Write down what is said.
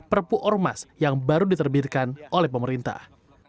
perpu ormas yang baru diterbitkan oleh pemerintah